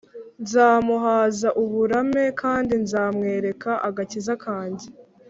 nzamuhaza uburame, kandi nzamwereka agakiza kanjye.”